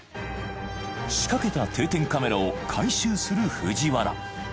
仕掛けた定点カメラを回収する藤原